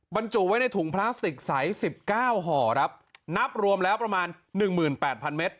บรรจุไว้ในถุงพลาสติกใสสิบเก้าห่อครับนับรวมแล้วประมาณหนึ่งหมื่นแปดพันเมตร